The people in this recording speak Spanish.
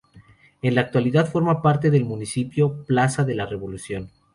En la actualidad forma parte del municipio Plaza de la Revolución.